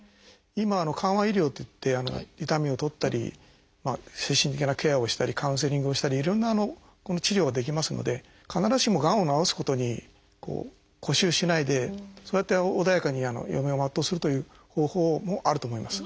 今は「緩和医療」っていって痛みを取ったり精神的なケアをしたりカウンセリングをしたりいろんな治療ができますので必ずしもがんを治すことに固執しないでそうやって穏やかに余命を全うするという方法もあると思います。